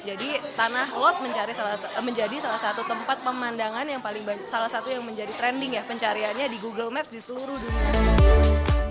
jadi tanah lot menjadi salah satu tempat pemandangan yang paling banyak salah satu yang menjadi trending ya pencariannya di google maps di seluruh dunia